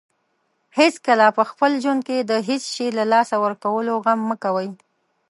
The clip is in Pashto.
هیڅکله په خپل ژوند کې د هیڅ شی له لاسه ورکولو غم مه کوئ.